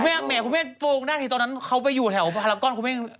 คุณแม่คุณแม่โปร่งหน้าที่ตอนนั้นเขาไปอยู่แถวภารกรคุณแม่